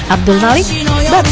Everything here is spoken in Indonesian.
abdul malik bapak